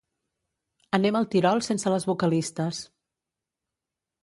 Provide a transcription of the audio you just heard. Anem al Tirol sense les vocalistes.